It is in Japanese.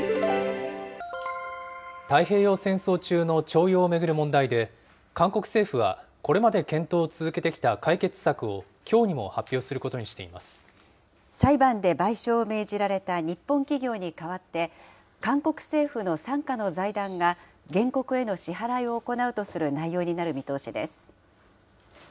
太平洋戦争中の徴用を巡る問題で、韓国政府はこれまで検討を続けてきた解決策を、きょうにも発表す裁判で賠償を命じられた日本企業に代わって、韓国政府の傘下の財団が原告への支払いを行うとする内容になる見通しです。